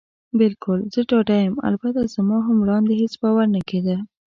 بلکل، زه ډاډه یم. البته زما هم وړاندې هېڅ باور نه کېده.